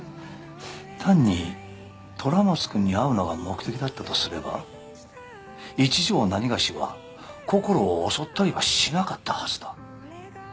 単に虎松くんに会うのが目的だったとすれば一条なにがしはこころを襲ったりはしなかったはずだ。